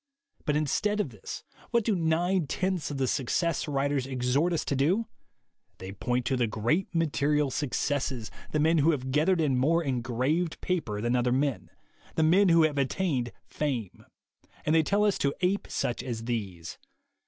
But instead of this, what do nine tenths of the Success writers exhort us to do? They point to the great material successes, the men who have gathered in more engraved paper than other men, the men who have attained fame; and they tell us to ape such as these.